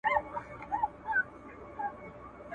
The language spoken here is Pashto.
ده پر خلکو باندي ږغ کړل چي ملګرو .